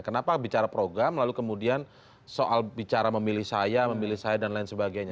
kenapa bicara program lalu kemudian soal bicara memilih saya memilih saya dan lain sebagainya